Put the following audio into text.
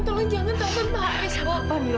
tolong jangan takut pak haris